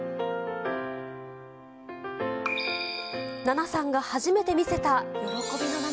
ナナさんが初めて見せた喜びの涙。